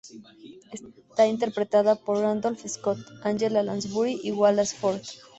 Está interpretada por Randolph Scott, Angela Lansbury y Wallace Ford.